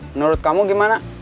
menurut kamu gimana